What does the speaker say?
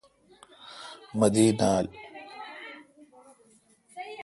مہ دی نال۔